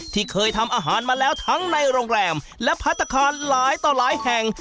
ที่เคยทำอาหารมาแล้วทั้งในโรงแรมและพัฒนาคารหลายต่อหลายแห่ง